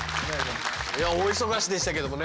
いや大忙しでしたけどもね。